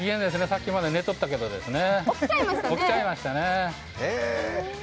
さっきまで寝とったけど、起きちゃいましたね。